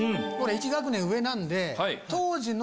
１学年上なんで。